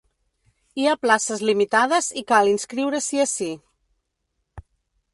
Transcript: Hi ha places limitades i cal inscriure-s’hi ací.